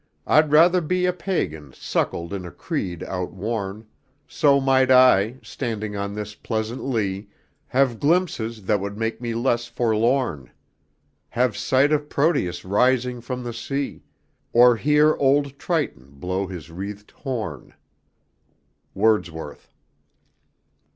I'd rather be A Pagan suckled in a creed outworn, So might I, standing on this pleasant lea, Have glimpses that would make me less forlorn; Have sight of Proteus rising from the sea; Or hear old Triton blow his wreathed horn. WORDSWORTH.